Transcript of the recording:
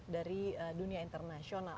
dari dunia internasional